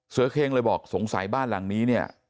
เคงเลยบอกสงสัยบ้านหลังนี้เนี่ย